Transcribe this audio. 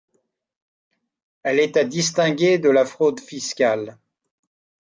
Elle est à distinguer de la fraude fiscale.